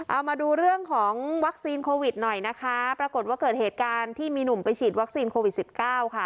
เอามาดูเรื่องของวัคซีนโควิดหน่อยนะคะปรากฏว่าเกิดเหตุการณ์ที่มีหนุ่มไปฉีดวัคซีนโควิดสิบเก้าค่ะ